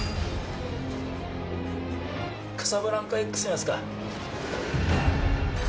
「カサブランカＸ」のやつか。